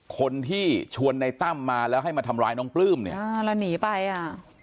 คนที่ชวนในตั้มมาแล้วให้มาทำร้ายน้องปลื้มเนี่ยอ่าแล้วหนีไปอ่ะ